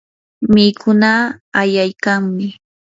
mikunaa ayaykanmi.